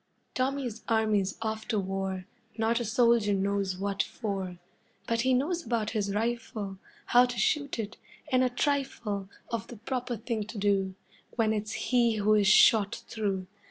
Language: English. Tommy's army's off to war Not a soldier knows what for. But he knows about his rifle, How to shoot it, and a trifle Of the proper thing to do When it's he who is shot through.